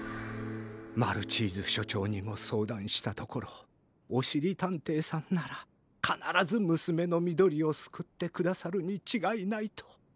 マルチーズしょちょうにもそうだんしたところ「おしりたんていさんならかならずむすめのみどりをすくってくださるにちがいない」と。